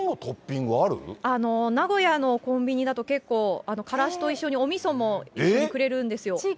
名古屋のコンビニだと、結構からしと一緒におみそもくれるんですよ。